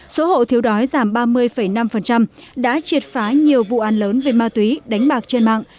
số hộ thiếu đói giảm ba mươi năm đã triệt phá nhiều vụ an lớn về ma túy đánh bạc trên mạng